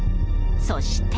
そして。